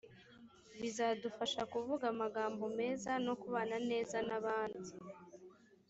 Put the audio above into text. bizadufasha kuvuga amagambo meza no kubana neza n’ abandi